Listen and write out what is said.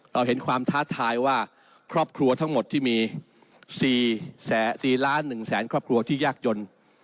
เราเห็นความท้าทายว่าครอบครัวทั้งหมดที่มี๔๑แสนครอบครัวที่ยากจน